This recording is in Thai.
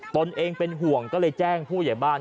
ตนเองเป็นห่วงก็เลยแจ้งผู้ใหญ่บ้าน